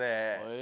え？